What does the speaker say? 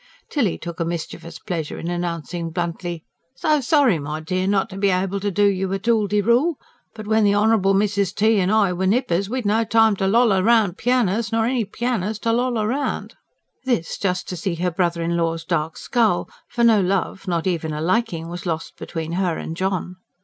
Tilly took a mischievous pleasure in announcing bluntly: "So sorry, my dear, not to be able to do you a tool de rool! But when the Honourable Mrs. T. and I were nippers we'd no time to loll round pianos, nor any pianos to loll round!" this, just to see her brother in law's dark scowl; for no love not even a liking was lost between her and John.